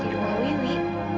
di rumah wiwi